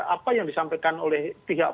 apa yang disampaikan oleh pihak